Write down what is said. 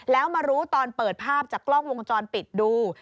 แล้วมารู้ตอนเปิดภาพจากกล้องวงจรปิดดู